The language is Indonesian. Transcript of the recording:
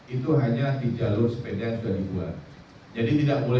itu hanya di jalur sepeda yang sudah dibuat